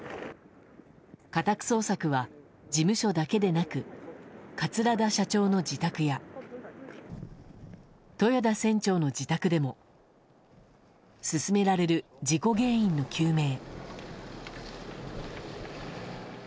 家宅捜索は事務所だけでなく桂田社長の自宅や豊田船長の自宅でも進められる事故原因の究明。